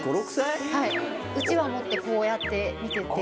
うちわ持ってこうやって見てて。